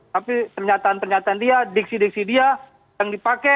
tapi pernyataan pernyataan dia diksi diksi dia yang dipakai